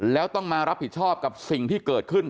แล้วต้องมารับผิดชอบกับสิ่งที่เกิดขึ้น